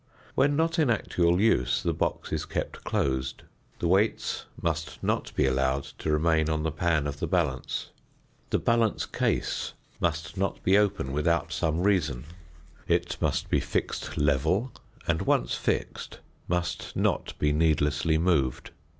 When not in actual use the box is kept closed. The weights must not be allowed to remain on the pan of the balance. The balance case must not be open without some reason. It must be fixed level, and, once fixed, must not be needlessly moved.